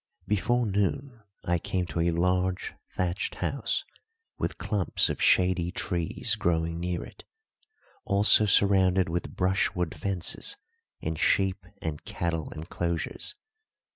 Before noon I came to a large, thatched house, with clumps of shady trees growing near it, also surrounded with brushwood fences and sheep and cattle enclosures.